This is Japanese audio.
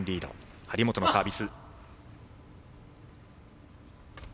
張本のサービス。